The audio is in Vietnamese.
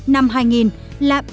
năm hai nghìn tăng lên ba chín triệu tấn